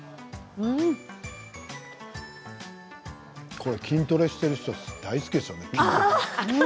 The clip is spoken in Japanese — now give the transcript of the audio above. これ筋トレをしている人は大好きですよね。